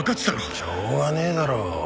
しょうがねえだろ。